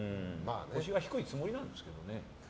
腰が低いつもりなんですけどね。